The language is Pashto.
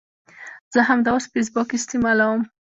زه همداوس فیسبوک استعمالوم